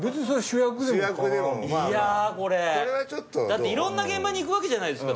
だっていろんな現場に行くわけじゃないですか？